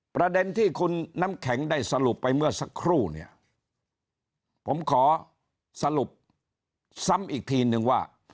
ประเด็นที่คุณน้ำแข็งได้สรุปไปเมื่อสักครู่เนี่ยผมขอสรุปซ้ำอีกทีนึงว่า